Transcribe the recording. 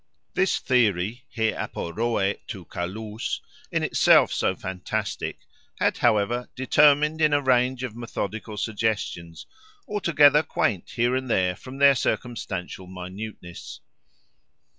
This theory,* in itself so fantastic, had however determined in a range of methodical suggestions, altogether quaint here and there from their circumstantial minuteness.